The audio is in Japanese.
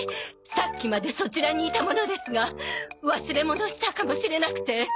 さっきまでそちらにいた者ですが忘れ物したかもしれなくて。